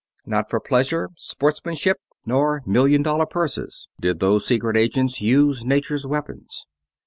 Not for pleasure, sportsmanship, nor million dollar purses did those secret agents use Nature's weapons.